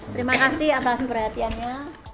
terima kasih atas perhatiannya